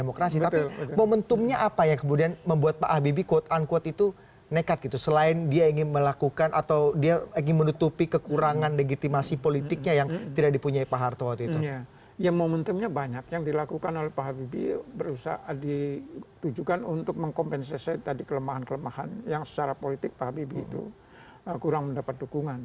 oke jadi momentumnya banyak yang dilakukan oleh pak habibie berusaha ditujukan untuk mengkompensasi tadi kelemahan kelemahan yang secara politik pak habibie itu kurang mendapat dukungan